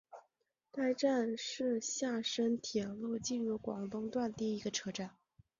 该站是厦深铁路进入广东段第一个车站。